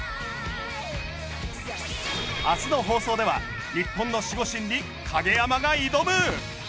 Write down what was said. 明日の放送では日本の守護神に影山が挑む！